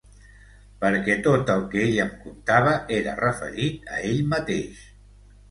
Perquè tot el que ell em contava era referit a ell mateix.